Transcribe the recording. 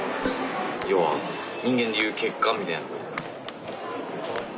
要は人間で言う血管みたいなこと。